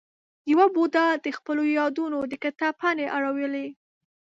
یوه بوډا د خپلو یادونو د کتاب پاڼې اړولې.